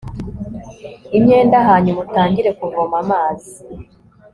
imyenda hanyuma utangire kuvoma amazi